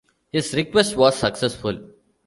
His request was successful.